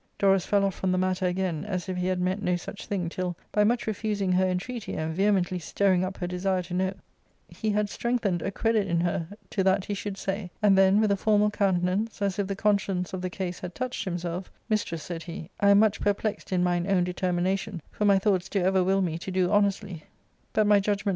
Dorus fell off from the matter again, as if he had meant no such thing, till, by much refusing her entreaty, and vehemently stirring up her desire to know, he had strengthened a credit in her to that he should say ; and then, with a formal countenance, as if the conscience of the case had touched himself, " Mistress," said he, " I am much perplexed in mine own determination, for my thoughts do ever will me to do honestly, but my judgment ARCADIA.